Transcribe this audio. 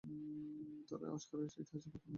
তারাই অস্কারের ইতিহাসে প্রথম একই পরিবারের সদস্য।